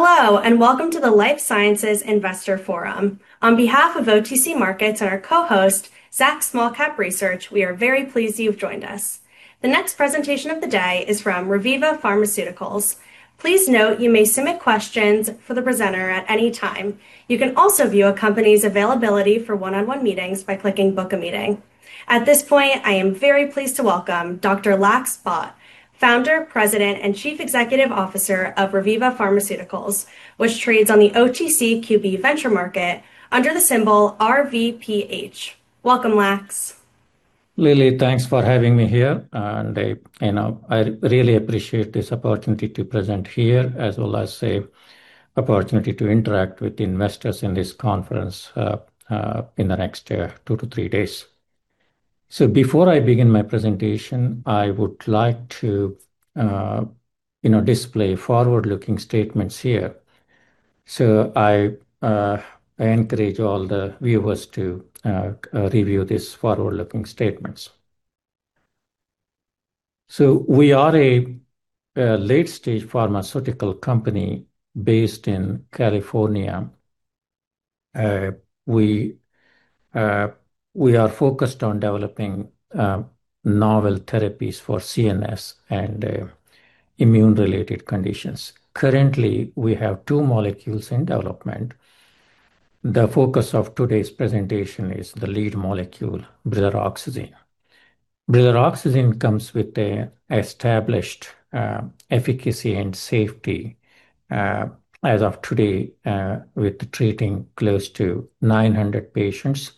Hello, welcome to the Life Sciences Investor Forum. On behalf of OTC Markets and our co-host, Zacks Small-Cap Research, we are very pleased you've joined us. The next presentation of the day is from Reviva Pharmaceuticals. Please note you may submit questions for the presenter at any time. You can also view a company's availability for one-on-one meetings by clicking "Book a Meeting." At this point, I am very pleased to welcome Dr. Lax Bhat, Founder, President, and Chief Executive Officer of Reviva Pharmaceuticals, which trades on the OTCQB Venture Market under the symbol RVPH. Welcome, Lax. Lily, thanks for having me here. I really appreciate this opportunity to present here, as well as a opportunity to interact with investors in this conference in the next two to three days. Before I begin my presentation, I would like to display forward-looking statements here. I encourage all the viewers to review these forward-looking statements. We are a late-stage pharmaceutical company based in California. We are focused on developing novel therapies for CNS and immune-related conditions. Currently, we have two molecules in development. The focus of today's presentation is the lead molecule, brilaroxazine. Brilaroxazine comes with established efficacy and safety, as of today, with treating close to 900 patients.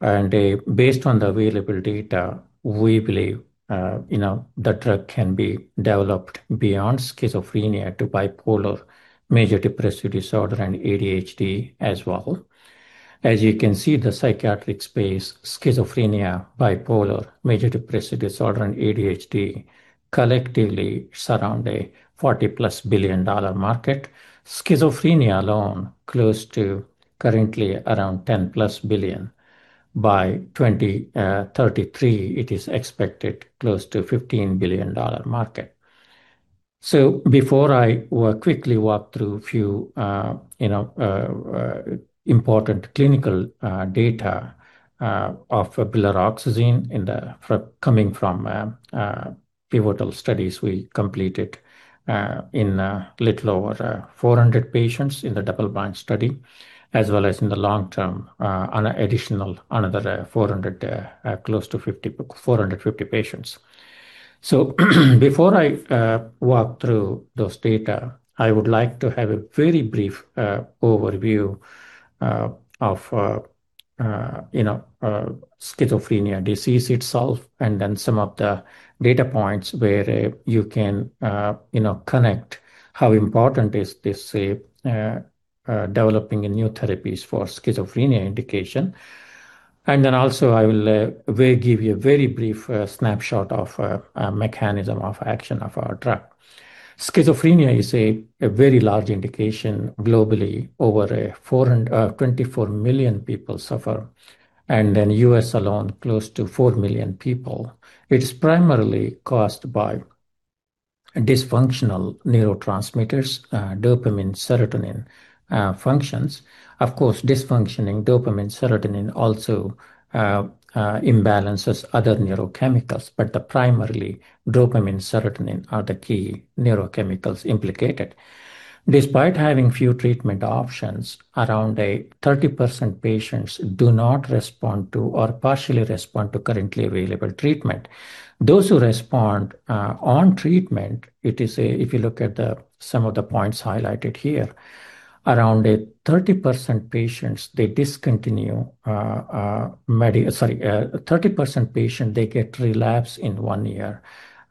Based on the available data, we believe the drug can be developed beyond schizophrenia to bipolar, major depressive disorder, and ADHD as well. As you can see, the psychiatric space, schizophrenia, bipolar, major depressive disorder, and ADHD collectively surround a $40+ billion market. Schizophrenia alone, close to currently around $10+ billion. By 2033, it is expected close to a $15 billion market. Before I quickly walk through a few important clinical data of brilaroxazine coming from pivotal studies we completed in a little over 400 patients in the double-blind study, as well as in the long-term, an additional another 400, close to 450 patients. Before I walk through those data, I would like to have a very brief overview of schizophrenia disease itself, some of the data points where you can connect how important is this developing new therapies for schizophrenia indication. Also I will give you a very brief snapshot of mechanism of action of our drug. Schizophrenia is a very large indication globally. Over 24 million people suffer, U.S. alone, close to four million people. It is primarily caused by dysfunctional neurotransmitters, dopamine, serotonin functions. Of course, dysfunction in dopamine, serotonin also imbalances other neurochemicals. Primarily, dopamine, serotonin are the key neurochemicals implicated. Despite having few treatment options, around 30% patients do not respond to or partially respond to currently available treatment. Those who respond on treatment, if you look at some of the points highlighted here, around 30% patients, they get relapse in one year.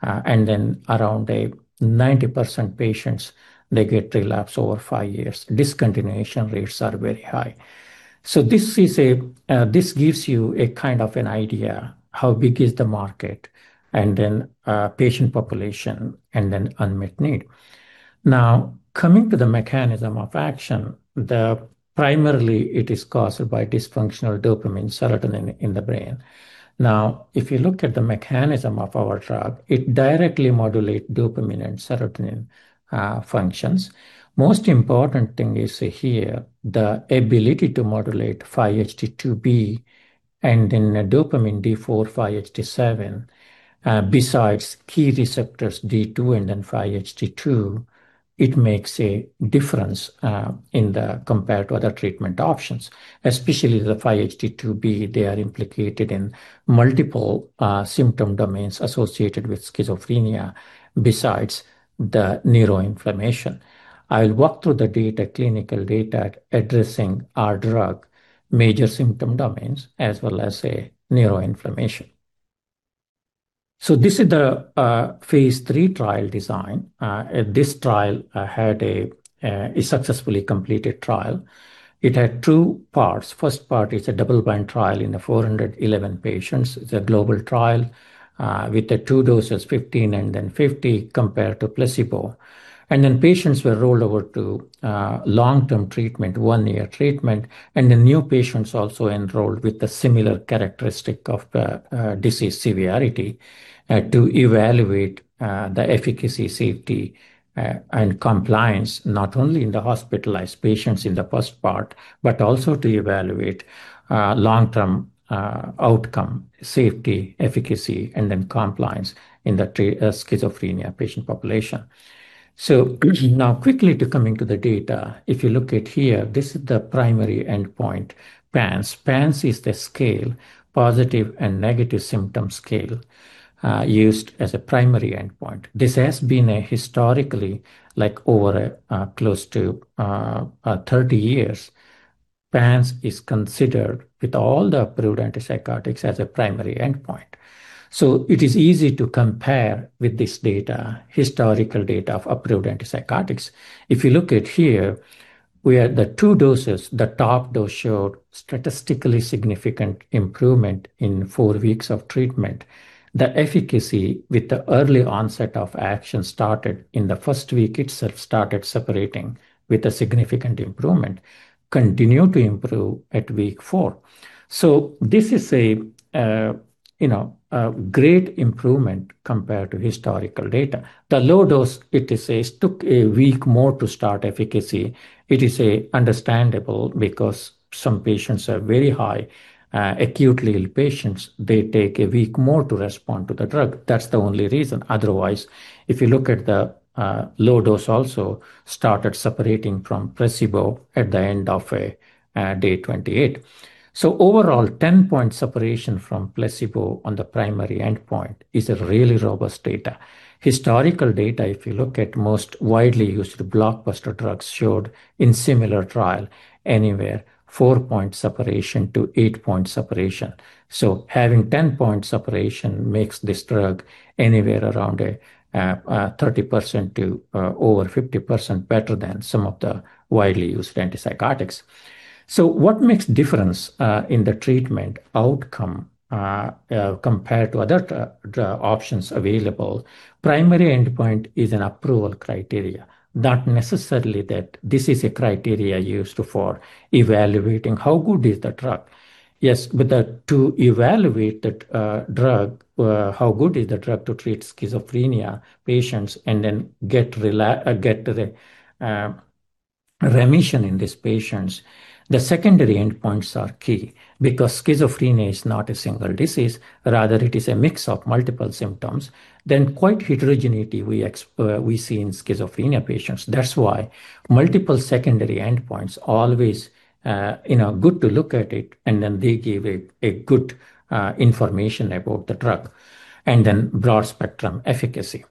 Around 90% patients, they get relapse over five years. Discontinuation rates are very high. This gives you a kind of an idea how big is the market, patient population, and unmet need. Now, coming to the mechanism of action, primarily it is caused by dysfunctional dopamine, serotonin in the brain. If you look at the mechanism of our drug, it directly modulates dopamine and serotonin functions. Most important thing is here, the ability to modulate 5-HT2B and then dopamine D4, 5-HT7, besides key receptors D2 and then 5-HT2, it makes a difference compared to other treatment options. Especially the 5-HT2B, they are implicated in multiple symptom domains associated with schizophrenia, besides the neuroinflammation. I will walk through the clinical data addressing our drug, major symptom domains, as well as neuroinflammation. This is the phase III trial design. This trial had a successfully completed trial. It had two parts. First part is a double-blind trial in the 411 patients. It is a global trial with the two doses, 15 and then 50, compared to placebo. Patients were rolled over to one-year treatment, one year treatment, and the new patients also enrolled with the similar characteristic of disease severity to evaluate the efficacy, safety, and compliance, not only in the hospitalized patients in the first part, but also to evaluate long-term outcome, safety, efficacy, and then compliance in the schizophrenia patient population. Quickly coming to the data. If you look at here, this is the primary endpoint, PANSS. PANSS is the scale, positive and negative symptom scale, used as a primary endpoint. This has been a historically, over close to 30 years, PANSS is considered with all the approved antipsychotics as a primary endpoint. It is easy to compare with this data, historical data of approved antipsychotics. If you look at here, where the two doses, the top dose showed statistically significant improvement in four weeks of treatment. The efficacy with the early onset of action started in the first week itself, started separating with a significant improvement, continued to improve at week four. This is a great improvement compared to historical data. The low dose, it took a week more to start efficacy. It is understandable because some patients are very high, acutely ill patients, they take a week more to respond to the drug. That is the only reason. Otherwise, if you look at the low dose also started separating from placebo at the end of day 28. Overall, 10-point separation from placebo on the primary endpoint is a really robust data. Historical data, if you look at most widely used blockbuster drugs, showed in similar trial anywhere four-point separation to eight-point separation. Having 10-point separation makes this drug anywhere around a 30% to over 50% better than some of the widely used antipsychotics. What makes difference in the treatment outcome compared to other options available? Primary endpoint is an approval criteria, not necessarily that this is a criteria used for evaluating how good is the drug. To evaluate that drug, how good is the drug to treat schizophrenia patients and then get to the remission in these patients, the secondary endpoints are key because schizophrenia is not a single disease, rather it is a mix of multiple symptoms. Quite heterogeneity we see in schizophrenia patients. That is why multiple secondary endpoints always good to look at it, and then they give a good information about the drug, and then broad-spectrum efficacy.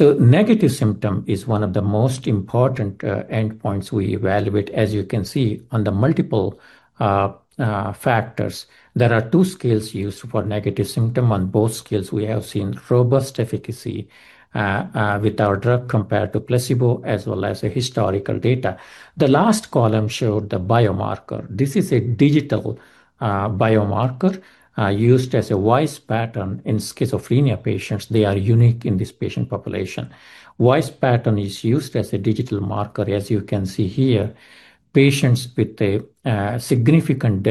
Negative symptom is one of the most important endpoints we evaluate. As you can see on the multiple factors, there are two scales used for negative symptom. On both scales, we have seen robust efficacy with our drug compared to placebo as well as the historical data. The last column showed the biomarker. This is a digital biomarker used as a voice pattern in schizophrenia patients. They are unique in this patient population. Voice pattern is used as a digital marker. As you can see here, patients with a significant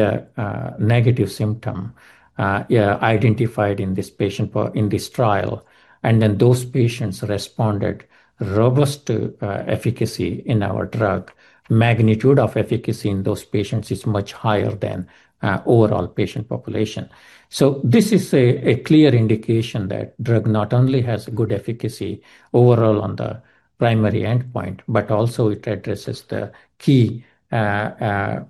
negative symptom identified in this trial, those patients responded robust efficacy in our drug. Magnitude of efficacy in those patients is much higher than overall patient population. This is a clear indication that drug not only has good efficacy overall on the primary endpoint, but also it addresses the key unmet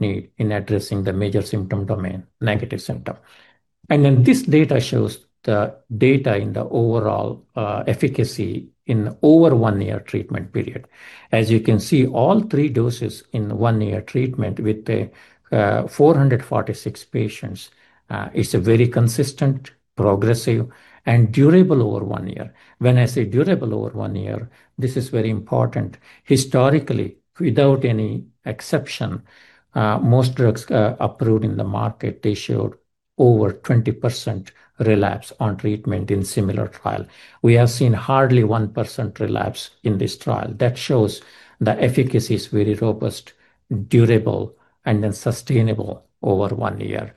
need in addressing the major symptom domain, negative symptom. This data shows the data in the overall efficacy in over one-year treatment period. As you can see, all three doses in one-year treatment with the 446 patients is a very consistent, progressive, and durable over one year. When I say durable over one year, this is very important. Historically, without any exception, most drugs approved in the market, they showed over 20% relapse on treatment in similar trial. We have seen hardly 1% relapse in this trial. That shows the efficacy is very robust, durable, sustainable over one year.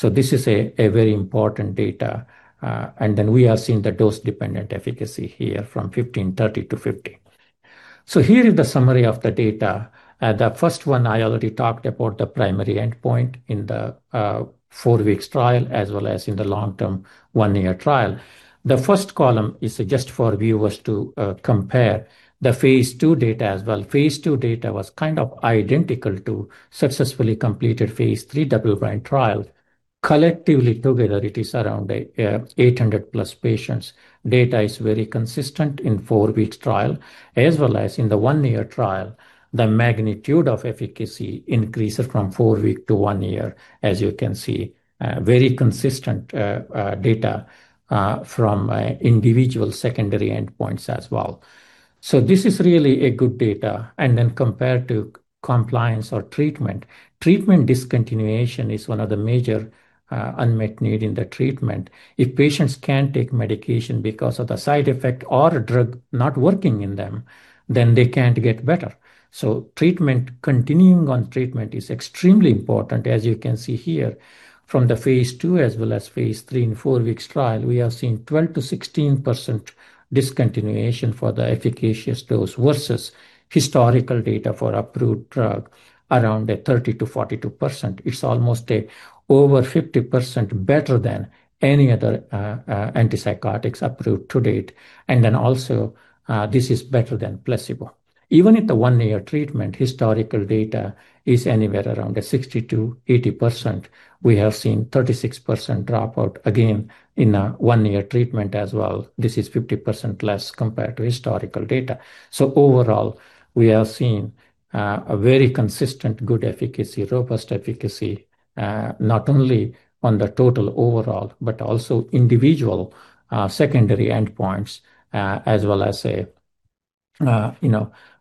This is a very important data. We have seen the dose-dependent efficacy here from 15%, 30%-50%. Here is the summary of the data. The first one, I already talked about the primary endpoint in the four weeks trial as well as in the long-term one-year trial. The first column is just for viewers to compare the phase II data as well. phase II data was kind of identical to successfully completed phase III double-blind trial. Collectively together, it is around 800+ patients. Data is very consistent in four weeks trial as well as in the one-year trial. The magnitude of efficacy increases from four weeks to one year, as you can see. Very consistent data from individual secondary endpoints as well. This is really a good data. Compared to compliance or treatment discontinuation is one of the major unmet need in the treatment. If patients can't take medication because of the side effect or drug not working in them, they can't get better. Continuing on treatment is extremely important. As you can see here from the phase II as well as phase III and four weeks trial, we have seen 12%-16% discontinuation for the efficacious dose versus historical data for approved drug, around 30%-42%. It's almost over 50% better than any other antipsychotics approved to date. Also, this is better than placebo. Even in the one-year treatment, historical data is anywhere around 60%-80%. We have seen 36% dropout, again, in a one-year treatment as well. This is 50% less compared to historical data. Overall, we have seen a very consistent, good efficacy, robust efficacy, not only on the total overall, but also individual secondary endpoints as well as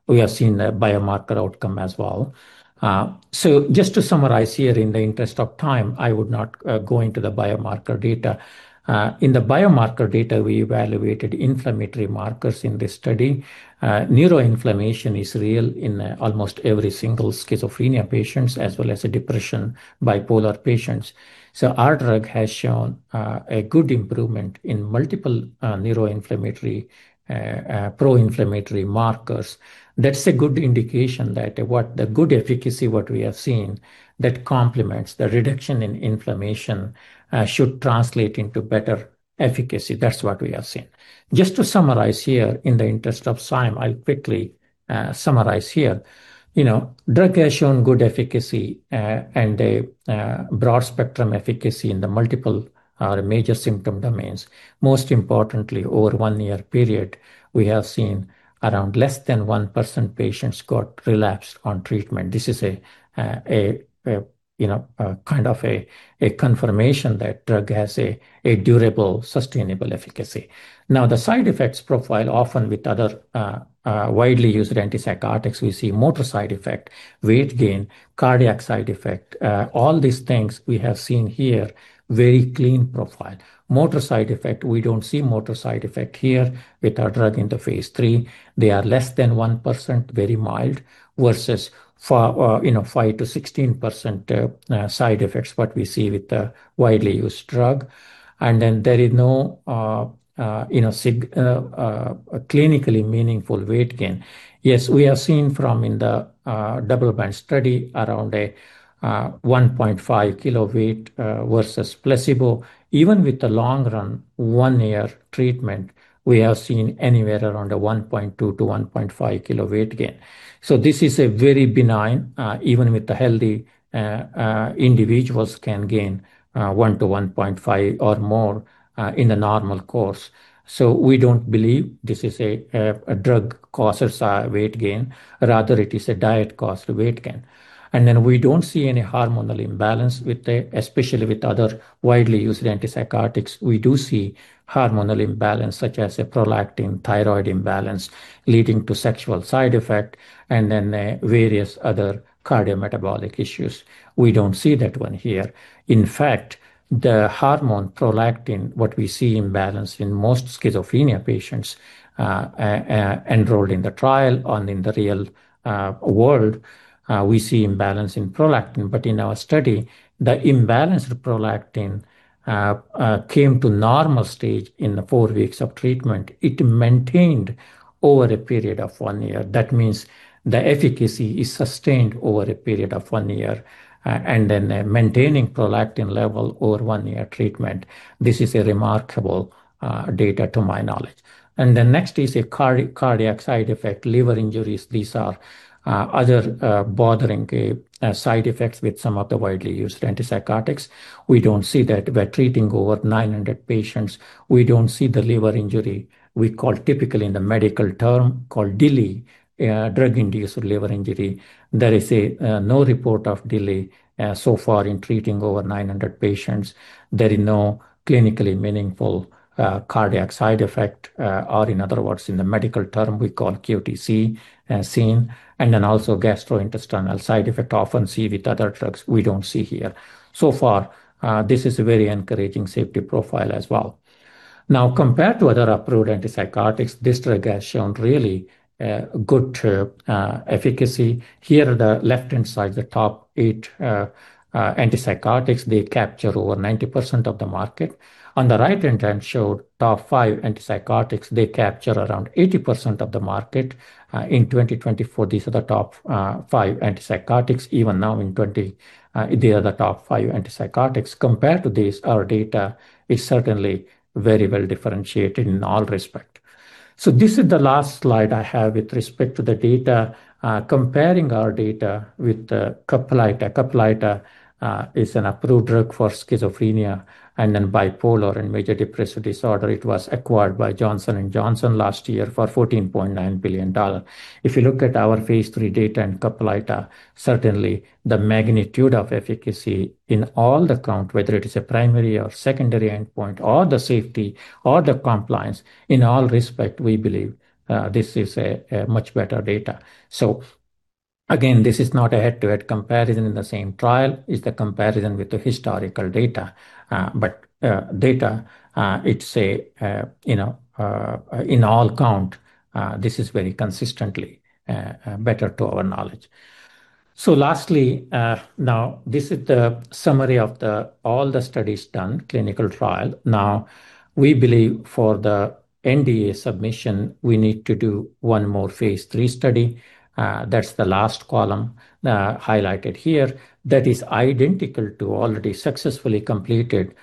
we have seen the biomarker outcome as well. Just to summarize here in the interest of time, I would not go into the biomarker data. In the biomarker data, we evaluated inflammatory markers in the study. Neuroinflammation is real in almost every single schizophrenia patient as well as depression, bipolar patients. Our drug has shown a good improvement in multiple neuroinflammatory, pro-inflammatory markers. That's a good indication that the good efficacy, what we have seen that complements the reduction in inflammation should translate into better efficacy. That's what we have seen. Just to summarize here in the interest of time, I'll quickly summarize here. Drug has shown good efficacy and a broad-spectrum efficacy in the multiple major symptom domains. Most importantly, over one-year period, we have seen around less than 1% patients got relapsed on treatment. This is a confirmation that drug has a durable, sustainable efficacy. The side effects profile, often with other widely used antipsychotics, we see motor side effect, weight gain, cardiac side effect. All these things we have seen here, very clean profile. Motor side effect, we don't see motor side effect here with our drug in the phase III. They are less than 1%, very mild, versus 5%-16% side effects, what we see with the widely used drug. There is no clinically meaningful weight gain. Yes, we have seen from in the development study around a 1.5 kilo weight versus placebo. Even with the long run, one-year treatment, we have seen anywhere around a 1.2-1.5 kilo weight gain. This is very benign. Even with the healthy individuals can gain 1-1.5 or more in the normal course. We don't believe this is a drug causes weight gain. Rather, it is a diet-caused weight gain. We don't see any hormonal imbalance, especially with other widely used antipsychotics. We do see hormonal imbalance, such as a prolactin, thyroid imbalance, leading to sexual side effect and various other cardiometabolic issues. We don't see that one here. In fact, the hormone prolactin, what we see imbalance in most schizophrenia patients enrolled in the trial or in the real world, we see imbalance in prolactin. In our study, the imbalanced prolactin came to normal stage in the four weeks of treatment. It maintained over a period of one year. That means the efficacy is sustained over a period of one year, and then maintaining prolactin level over one-year treatment. This is a remarkable data to my knowledge. The next is a cardiac side effect, liver injuries. These are other bothering side effects with some of the widely used antipsychotics. We don't see that by treating over 900 patients. We don't see the liver injury we call typically in the medical term called DILI, drug-induced liver injury. There is no report of DILI so far in treating over 900 patients. There is no clinically meaningful cardiac side effect or in other words, in the medical term, we call QTc, also gastrointestinal side effect often see with other drugs, we don't see here. This is a very encouraging safety profile as well. Compared to other approved antipsychotics, this drug has shown really good efficacy. Here, the left-hand side, the top eight antipsychotics, they capture over 90% of the market. On the right-hand side showed top five antipsychotics, they capture around 80% of the market in 2024. These are the top five antipsychotics. Even now in 2020, they are the top five antipsychotics. Compared to this, our data is certainly very well differentiated in all respect. This is the last slide I have with respect to the data. Comparing our data with CAPLYTA. CAPLYTA is an approved drug for schizophrenia and bipolar and major depressive disorder. It was acquired by Johnson & Johnson last year for $14.9 billion. If you look at our phase III data and CAPLYTA, certainly the magnitude of efficacy in all the count, whether it is a primary or secondary endpoint or the safety or the compliance, in all respect, we believe this is a much better data. Again, this is not a head-to-head comparison in the same trial. It's the comparison with the historical data. Data, it say in all count, this is very consistently better to our knowledge. Lastly, now this is the summary of all the studies done, clinical trial. We believe for the NDA submission, we need to do one more phase III study. That's the last column highlighted here. That is identical to already successfully completed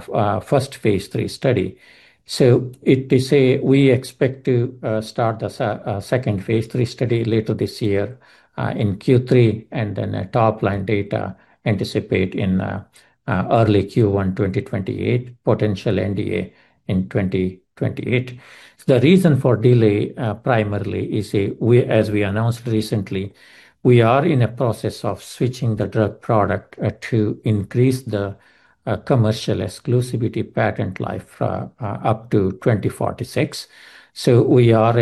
first phase III study. It say we expect to start the second phase III study later this year, in Q3, and a top-line data anticipate in early Q1 2028, potential NDA in 2028. The reason for delay, primarily is, as we announced recently, we are in a process of switching the drug product to increase the commercial exclusivity patent life up to 2046. We are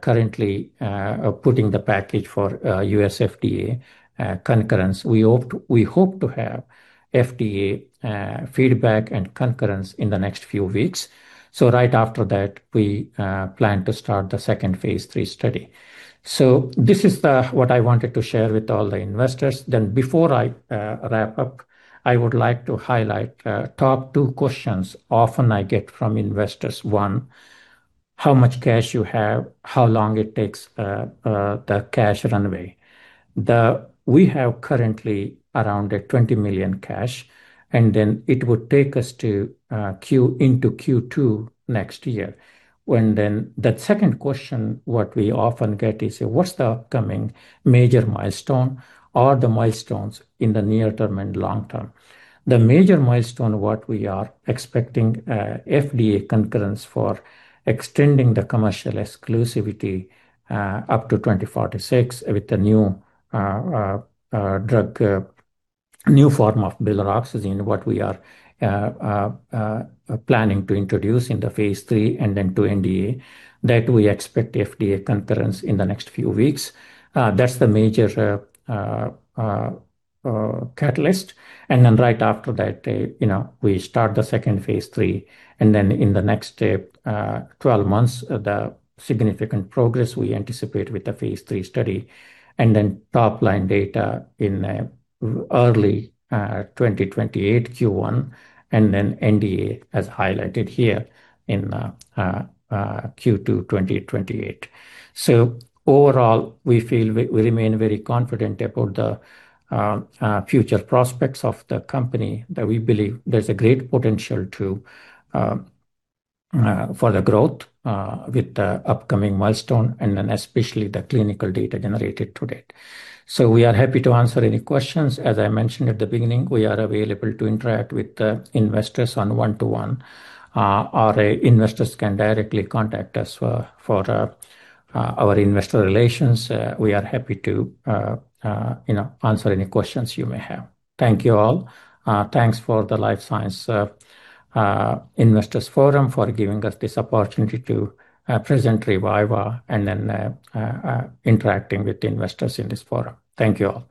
currently putting the package for U.S. FDA concurrence. We hope to have FDA feedback and concurrence in the next few weeks. Right after that, we plan to start the second phase III study. This is what I wanted to share with all the investors. Before I wrap up, I would like to highlight top two questions often I get from investors. One, how much cash you have, how long it takes, the cash runway. We have currently around $20 million cash, it would take us into Q2 next year. The second question what we often get is, what's the upcoming major milestone or the milestones in the near term and long term? The major milestone what we are expecting FDA concurrence for extending the commercial exclusivity up to 2046 with the new form of brilaroxazine, what we are planning to introduce in the phase III and to NDA. That we expect FDA concurrence in the next few weeks. That's the major catalyst. Right after that, we start the second phase III, in the next 12 months, the significant progress we anticipate with the phase III study, top-line data in early 2028, Q1, and NDA, as highlighted here, in Q2 2028. Overall, we feel we remain very confident about the future prospects of the company, that we believe there's a great potential for the growth, with the upcoming milestone, especially the clinical data generated to date. We are happy to answer any questions. As I mentioned at the beginning, we are available to interact with the investors on one to one. Our investors can directly contact us for our investor relations. We are happy to answer any questions you may have. Thank you all. Thanks for the Life Sciences Investors Forum for giving us this opportunity to present Reviva and then interacting with the investors in this forum. Thank you all.